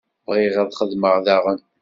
Bɣiɣ ad t-xedmeɣ daɣen.